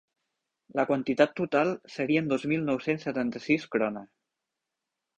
La quantitat total serien dos mil nou-cents setanta-sis Krone.